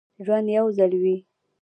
ژوند یو ځل وي